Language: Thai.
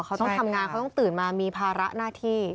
เขาต้องทำงานเขาต้องตื่นมามีภาระหน้าที่